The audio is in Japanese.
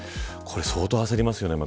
相当焦りますよね。